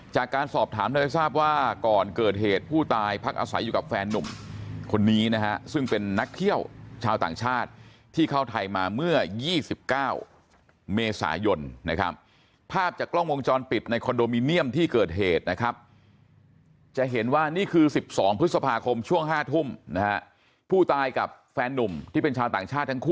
จากการสอบถามเธอให้ทราบว่าก่อนเกิดเหตุผู้ตายพักอาศัยอยู่กับแฟนนุ่มคนนี้นะฮะซึ่งเป็นนักเที่ยวชาวต่างชาติที่เข้าไทยมาเมื่อ๒๙เมษายนนะครับภาพจากกล้องวงจรปิดในคอนโดมิเนียมที่เกิดเหตุนะครับจะเห็นว่านี่คือ๑๒พฤษภาคมช่วง๕ทุ่มนะฮะผู้ตายกับแฟนนุ่มที่เป็นชาวต่างชาติทั้งคู่